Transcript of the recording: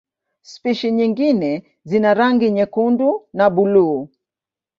Spishi nyingine zina rangi nyekundu na buluu.